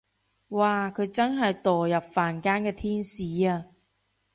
哇佢真係墮入凡間嘅天使啊